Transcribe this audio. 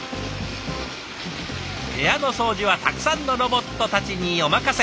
部屋の掃除はたくさんのロボットたちにお任せ。